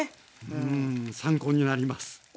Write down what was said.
うん参考になります。